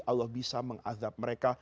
allah bisa mengazab mereka